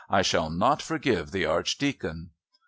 I shall not forgive the Archdeacon."